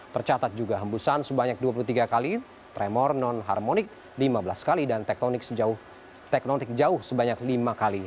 tercatat juga hembusan sebanyak dua puluh tiga kali tremor non harmonik lima belas kali dan teknonik jauh sebanyak lima kali